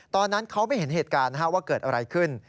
ตอนนั้นเขาไม่เห็นเหตุการณ์ว่าเกิดอะไรขึ้น